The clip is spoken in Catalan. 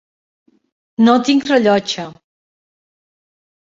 No tinc rellotge.